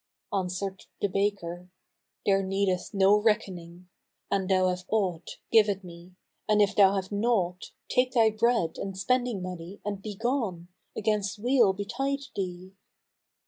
Answered the baker, "There needeth no reckoning. An thou have aught, give it me: and if thou have naught, take thy bread and spending money and begone, against weal betide thee."